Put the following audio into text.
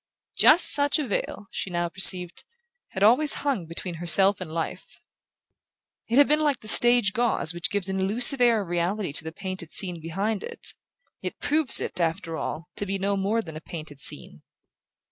Just such a veil, she now perceived, had always hung between herself and life. It had been like the stage gauze which gives an illusive air of reality to the painted scene behind it, yet proves it, after all, to be no more than a painted scene.